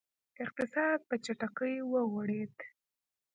اقتصاد په چټکۍ وغوړېد.